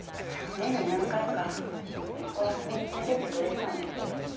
年に何回か息子を遊びに連れてってくれてたんです。